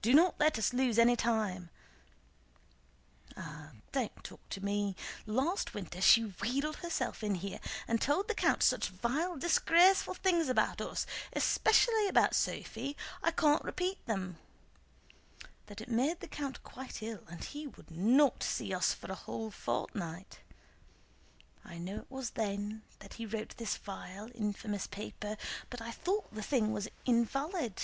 "Do not let us lose any time..." "Ah, don't talk to me! Last winter she wheedled herself in here and told the count such vile, disgraceful things about us, especially about Sophie—I can't repeat them—that it made the count quite ill and he would not see us for a whole fortnight. I know it was then he wrote this vile, infamous paper, but I thought the thing was invalid."